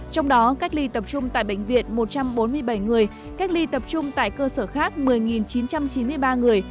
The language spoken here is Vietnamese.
trong đó cách ly tập trung tại bệnh viện một trăm bốn mươi bảy người cách ly tập trung tại cơ sở khác một mươi chín trăm chín mươi ba người